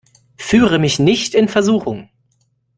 Führe mich nicht in Versuchung!